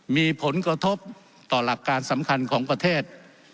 มีผลกระทบต่อหลักการสำคัญของประเทศ